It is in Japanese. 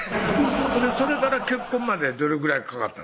それから結婚までどれぐらいかかったんですか？